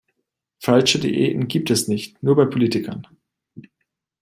Falsche Diäten gibt es nicht nur bei Politikern.